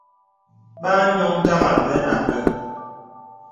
Bà ànioŋ tàgā və̂ nà àbə.